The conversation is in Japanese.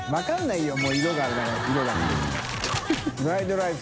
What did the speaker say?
フライドライス。